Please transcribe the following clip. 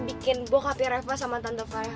bikin bapaknya reva sama tante farah